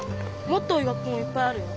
もっと多い学校もいっぱいあるよ。